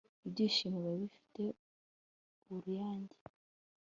ibishyimbo biba bifite uruyange